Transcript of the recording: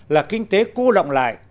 là kinh tế cố động lại